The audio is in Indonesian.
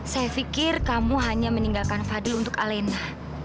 saya pikir kamu hanya meninggalkan fadil untuk alena